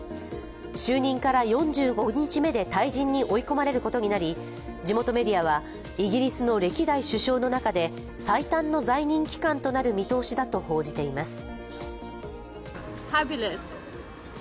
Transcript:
就任から４５日目で退陣に追い込まれることになり地元メディアは、イギリスの歴代首相の中で最短の在任期間となる見通しだと報じています。